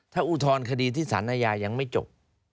ถ้าอุทธรณคดีที่สารอาญายังไม่จบ